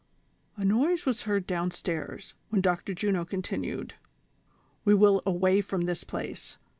A noise was heard down stairs, Avhen Dr. Juno con tinued :" We will away from this place.